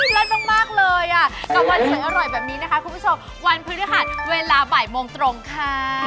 เล่นมากเลยกับวันเสร็จอร่อยแบบนี้คุณผู้ชมวันพฤษฐานเวลาบ่ายโมงตรงค่ะ